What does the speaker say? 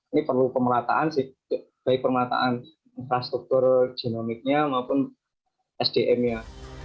ini perlu pemelataan baik pemelataan infrastruktur genomiknya maupun sdm nya